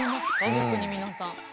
逆に皆さん。